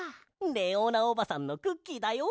レオーナおばさんのクッキーだよ。